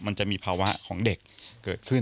มันจะมีภาวะของเด็กเกิดขึ้น